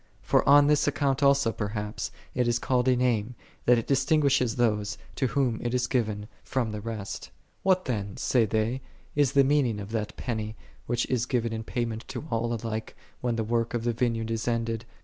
For on this account also, perhaps, it is called a mime, that it distinguishes those, to whom it is given, from the rest. 26. What then, say they, is the meaning of that penny, which is given in payment to all alike when the work of the vineyard is ended?